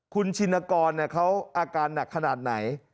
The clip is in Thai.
คุณชินกรเขาอาการหนักขนาดไหน